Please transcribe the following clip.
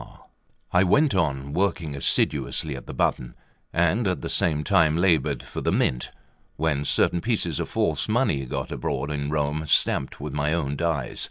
LIII I WENT on working assiduously at the button, and at the same time laboured for the Mint, when certain pieces of false money got abroad in Rome, stamped with my own dies.